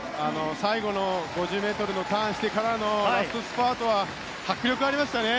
最後の５０ｍターンしてからのラストスパートは迫力がありましたね。